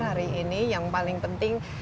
hari ini yang paling penting